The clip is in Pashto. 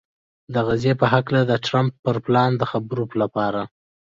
د غزې په هکله د ټرمپ پر پلان د خبرو لپاره